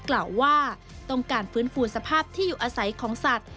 กล่าวว่าต้องการฟื้นฟูสภาพที่อยู่อาศัยของสัตว์